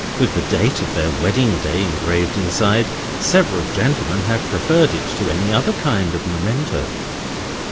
With the date of their wedding day engraved inside, several gentlemen have preferred it to any other kind of memento.